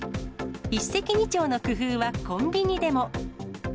一石二鳥の工夫はコンビニでも。